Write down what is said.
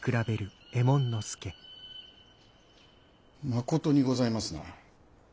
まことにございますな。